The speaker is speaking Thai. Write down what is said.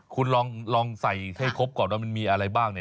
คุณลองใส่ให้ครบก่อนว่ามีอะไรบ้าง